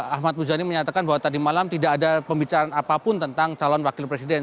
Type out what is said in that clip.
ahmad muzani menyatakan bahwa tadi malam tidak ada pembicaraan apapun tentang calon wakil presiden